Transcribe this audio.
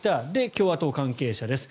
共和党関係者です。